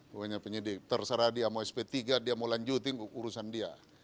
pokoknya penyidik terserah dia mau sp tiga dia mau lanjutin urusan dia